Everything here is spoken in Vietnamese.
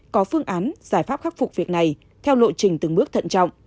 có phương án giải pháp khắc phục việc này theo lộ trình từng bước thận trọng